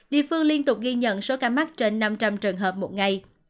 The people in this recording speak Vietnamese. địa phương liên tục ghi nhận số ca mắc trên năm trăm linh trường hợp một ngày